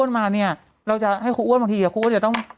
ทำการบ้านนะ